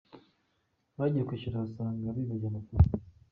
Bagiye kwishyura basanga bibagiwe amafaranga.